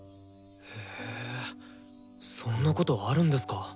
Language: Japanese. へえそんなことあるんですか。